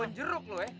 kebun jeruk lo eh